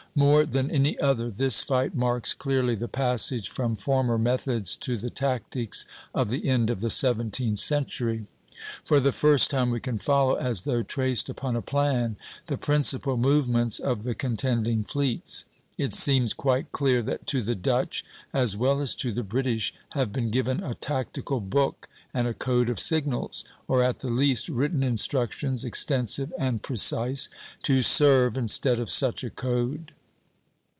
More than any other this fight marks clearly the passage from former methods to the tactics of the end of the seventeenth century. For the first time we can follow, as though traced upon a plan, the principal movements of the contending fleets. It seems quite clear that to the Dutch as well as to the British have been given a tactical book and a code of signals; or, at the least, written instructions, extensive and precise, to serve instead of such a code.